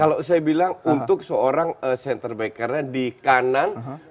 kalau saya bilang untuk seorang center back karena di kanan